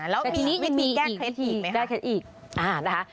แล้วมีวิธีแก้เคล็ดอีกไหมคะแก้เคล็ดอีกนะคะ